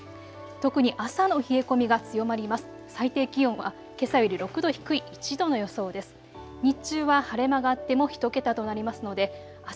特に朝の冷え込みが強まります。